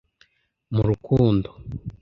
murukundo